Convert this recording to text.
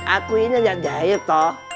aku ini enggak jayu toh